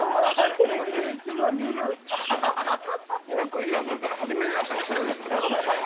今クイズ出されたら初めに会った人どれでしょうってわかんないよね